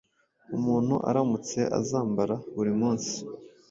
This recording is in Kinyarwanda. umuntu aramutse azambara buri munsi